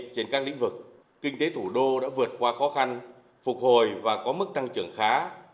trên các lĩnh vực kinh tế thủ đô đã vượt qua khó khăn phục hồi và có mức tăng trưởng khá